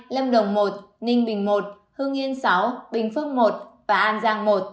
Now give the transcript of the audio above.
lâm đồng một ninh bình một hương yên sáu bình phước một và an giang một